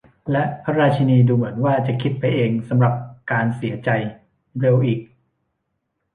และพระราชินีดูเหมือนว่าจะคิดไปเองสำหรับการเสียใจ เร็วอีก !